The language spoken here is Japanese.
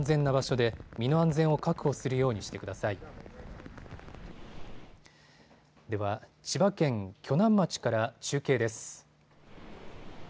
では千葉県鋸南町から中継です。